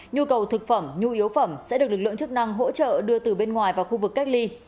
nhu cầu thực phẩm nhu yếu phẩm sẽ được lực lượng chức năng hỗ trợ đưa từ bên ngoài vào khu vực cách ly